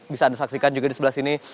bisa anda saksikan juga di sebelah sini